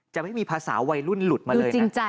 จะไม่มีภาษาวัยรุ่นหลุดมาเลยจริง